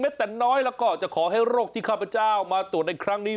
แต่น้อยแล้วก็จะขอให้โรคที่ข้าพเจ้ามาตรวจในครั้งนี้